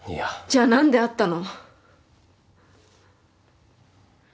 じゃあなんで会ったの？